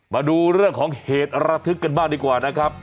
มาดูเรื่องของเหตุระทึกกันบ้างดีกว่านะครับ